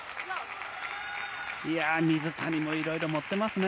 水谷もいろいろ持ってますね。